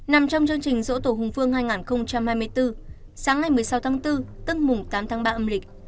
nằm trong chương trình dỗ tổ hùng vương hai nghìn hai mươi bốn sáng ngày một mươi sáu tháng bốn tức mùng tám tháng ba âm lịch